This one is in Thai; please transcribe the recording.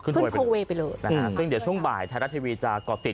ขึ้นโครเวย์ไปเลยนะฮะซึ่งเดี๋ยวช่วงบ่ายไทยรัฐทีวีจะก่อติด